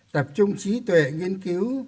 tập trung trí tuệ nghiên cứu